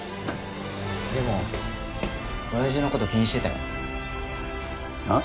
でも親父の事気にしてたよ。は？